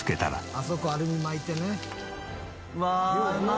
あそこアルミ巻いてね。